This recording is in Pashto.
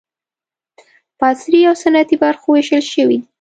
په عصري او سنتي برخو وېشل شوي دي.